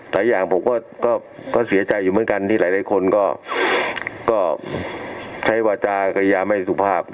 หลายอย่างผมก็เสียใจอยู่เหมือนกันที่หลายคนก็ใช้วาจากยาไม่สุภาพ